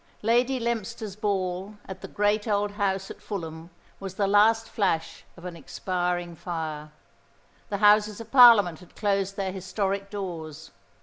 Lady Leominster's ball, at the great old house at Fulham, was the last flash of an expiring fire. The Houses of Parliament had closed their historic doors.